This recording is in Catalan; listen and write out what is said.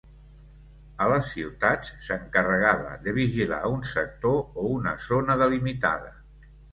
A les ciutats s'encarregava de vigilar un sector o una zona delimitada.